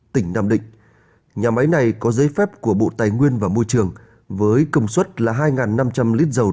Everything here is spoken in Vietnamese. tỉnh nam định nhà máy này có giấy phép của bộ tài nguyên và môi trường với công suất là hai năm trăm linh lít dầu